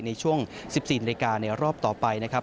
ในช่วง๑๔นาฬิกาในรอบต่อไปนะครับ